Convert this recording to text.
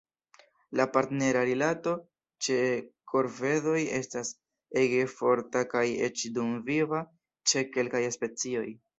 La partnera rilato ĉe korvedoj estas ege forta kaj eĉ dumviva ĉe kelkaj specioj.